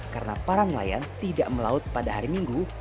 karena para nelayan tidak melaut pada hari minggu